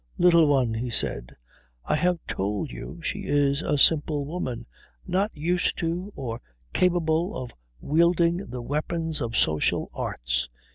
"Little One," he said, "I have told you she is a simple woman, not used to or capable of wielding the weapons of social arts.